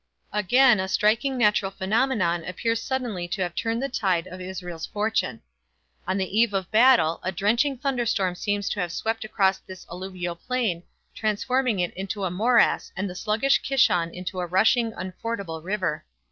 Again a striking natural phenomenon appears suddenly to have turned the tide of Israel's fortune. On the eve of battle a drenching thunderstorm seems to have swept across the alluvial plain transforming it into a morass and the sluggish Kishon into a rushing, unfordable river.